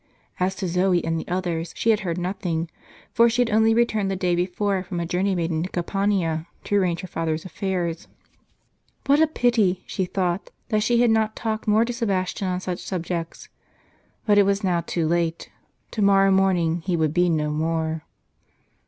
As to Zoe and the others, she had heard nothing, for she had only returned the day before from a journey made into Campania, to arrange her father's affairs. What a pity, she thought, that she had not talked more to Sebastian on such subjects! But it was now too late; to morrow morning he would be no more.